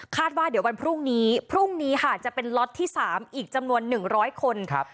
คาดว่าเดี๋ยววันพรุ่งนี้พรุ่งนี้ค่ะจะเป็นล็อตที่สามอีกจำนวนหนึ่งร้อยคนครับ